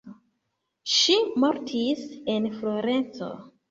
Ŝi mortis en Florenco.